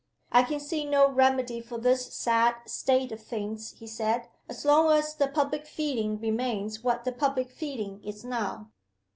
"I can see no remedy for this sad state of things," he said, "as long as the public feeling remains what the public feeling is now.